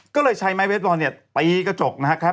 ก็เลยชัยไมค์เวสบอลตีกระจกนะครับ